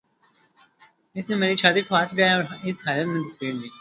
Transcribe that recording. اس نے میری چھاتی کو ہاتھ لگایا اور اسی حالت میں تصویر لی